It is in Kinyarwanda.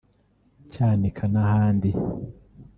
Cyanika n’ahandi